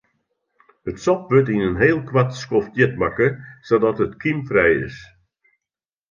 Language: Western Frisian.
It sop wurdt yn in heel koart skoft hjit makke sadat it kymfrij is.